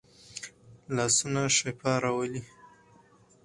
لاسونه شفا راولي